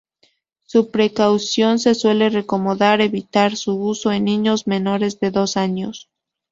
Por precaución, se suele recomendar evitar su uso en niños menores de dos años.